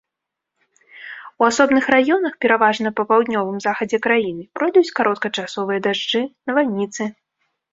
У асобных раёнах, пераважна па паўднёвым захадзе краіны, пройдуць кароткачасовыя дажджы, навальніцы.